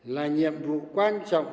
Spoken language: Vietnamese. là nhiệm vụ quan trọng